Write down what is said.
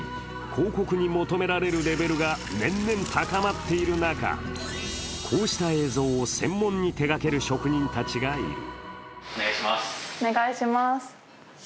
広告に求められるレベルが年々高まっている中、こうした映像を専門に手がける職人たちがいる。